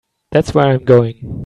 That's where I'm going.